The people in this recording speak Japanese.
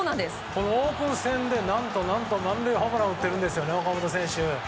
このオープン戦で何と、満塁ホームランを打っているんですね、岡本選手。